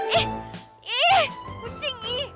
ih ih kucing ih